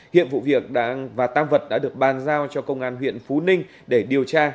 hiện vụ việc và tam vật đã được ban giao cho công an huyện phú ninh để điều tra